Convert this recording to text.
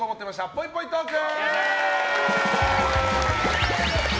ぽいぽいトーク！